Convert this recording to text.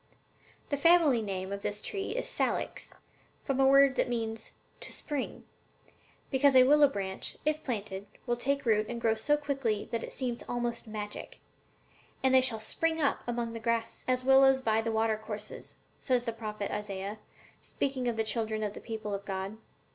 "The family name of this tree is Salix, from a word that means 'to spring,' because a willow branch, if planted, will take root and grow so quickly that it seems almost like magic. 'And they shall spring up as among the grass, as willows by the watercourses,' says the prophet Isaiah, speaking of the children of the people of God.